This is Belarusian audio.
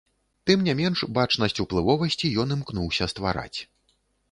Тым не менш бачнасць уплывовасці ён імкнуўся ствараць.